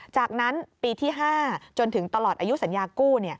จากนั้นปีที่๕จนถึงตลอดอายุสัญญากู้